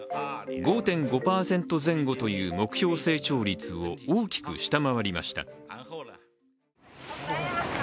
５．５％前後という目標成長率を大きく下回りました。